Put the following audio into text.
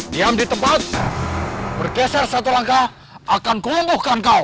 diam di tempat bergeser satu langkah akan kuluhkan kau